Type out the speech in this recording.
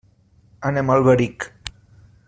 Anem a Alberic.